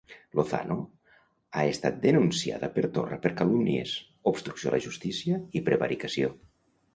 Lozano ha estat denunciada per Torra per calúmnies, obstrucció a la justícia i prevaricació.